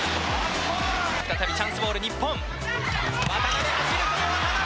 再びチャンスボール日本。